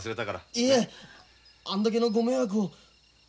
いえあんだけのご迷惑を。